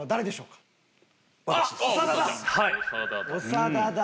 長田だ。